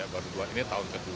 baru dua ini tahun ke tujuh